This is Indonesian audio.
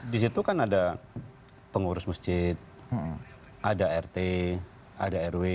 di situ kan ada pengurus masjid ada rt ada rw